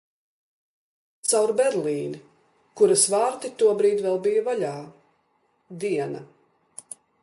Caur Berlīni, kuras vārti tobrīd vēl bija vaļā... Diena.